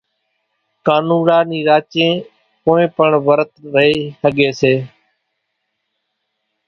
ڪانوڙا نِي راچين ڪونئين پڻ ورت رئي ۿڳي سي